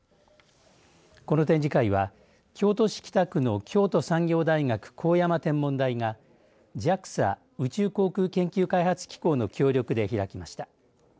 この展示会は京都市北区の京都産業大学神山天文台がＪＡＸＡ宇宙航空研究開発機構の協力で開きました。